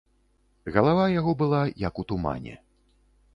Галава яго была, як у тумане.